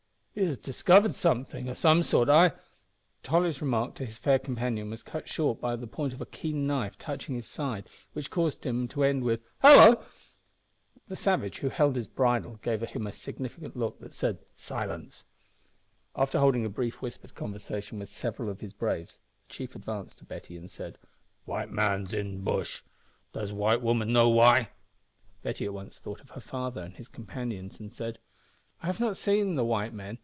"He has discovered something o' some sort, I " Tolly's remark to his fair companion was cut short by the point of a keen knife touching his side, which caused him to end with "hallo!" The savage who held his bridle gave him a significant look that said, "Silence!" After holding a brief whispered conversation with several of his braves, the chief advanced to Betty and said "White man's in the bush. Does white woman know why?" Betty at once thought of her father and his companions, and said "I have not seen the white men.